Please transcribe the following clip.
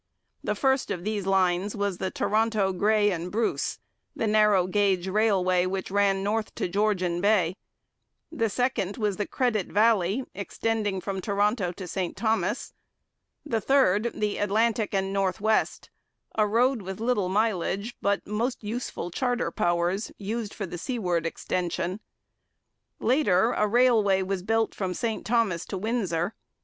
The first of these lines was the Toronto, Grey and Bruce, the narrow gauge railway which ran north to Georgian Bay; the second was the Credit Valley, extending from Toronto to St Thomas; the third, the Atlantic and North West, a road with little mileage but most useful charter powers, used for the seaward extension. Later, a railway was built from St Thomas to Windsor.